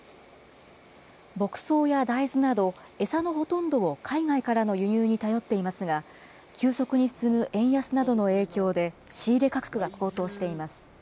牧草や大豆など、餌のほとんどを海外からの輸入に頼っていますが、急速に進む円安などの影響で、仕入れ価格が高騰しています。